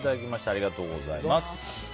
ありがとうございます。